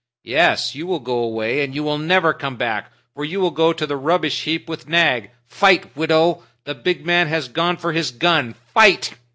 "Yes, you will go away, and you will never come back. For you will go to the rubbish heap with Nag. Fight, widow! The big man has gone for his gun! Fight!"